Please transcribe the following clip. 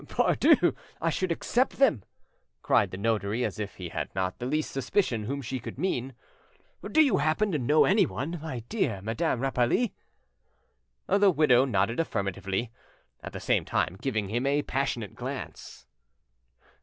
"Pardieu! I should accept them," cried the notary as if he had not the least suspicion whom she could mean. "Do you happen to know anyone, my dear Madame Rapally?" The widow nodded affirmatively, at the same time giving him a passionate glance.